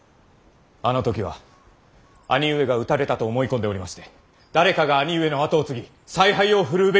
あの時は兄上が討たれたと思い込んでおりまして誰かが兄上の跡を継ぎ采配を振るうべきと考えました。